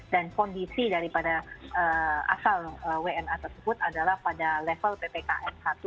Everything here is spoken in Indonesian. dan kondisi daripada asal wna tersebut adalah pada level ppkm satu dan dua